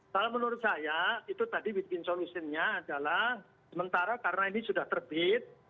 kalau menurut saya itu tadi bikin solusinya adalah sementara karena ini sudah terbit